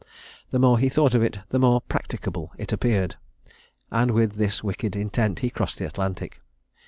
The more he thought of it, the more practicable it appeared; and with this wicked intent he crossed the Atlantic.